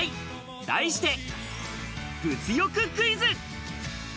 題して物欲クイズ！